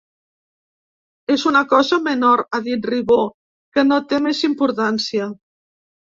És una cosa menor –ha dit Ribó–, que no té més importància.